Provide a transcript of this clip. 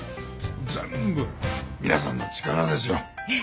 全部皆さんの力ですよ。